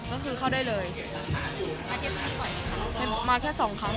ก็คือเข้าได้เลยมาแค่นี้บ่อยไหมคะมาแค่สองครั้ง